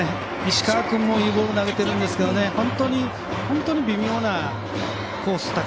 石川君もいいボール投げているんですけど本当に微妙なコース